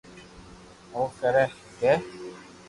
او ڪري ڪري ھگي